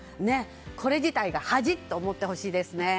これ自体が恥と思ってほしいですね。